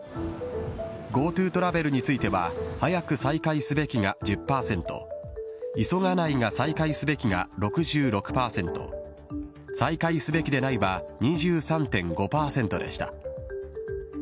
ＧｏＴｏトラベルについては、早く再開すべきが１０％、急がないが再開すべきが６６％、再開すべきでないは２３．５％でした。